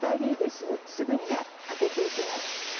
すぐにあけて行きます。